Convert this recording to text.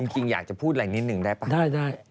จริงอยากจะพูดอะไรนิดหนึ่งได้ป่ะได้